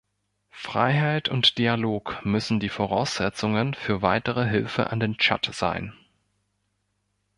Freiheit und Dialog müssen die Voraussetzungen für weitere Hilfe an den Tschad sein.